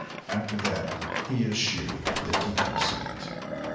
After that he eschewed the "deacon seat."